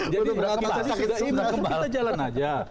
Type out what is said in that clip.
jadi kita jalan aja